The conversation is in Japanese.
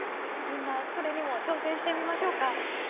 みんなこれにも挑戦してみましょうか。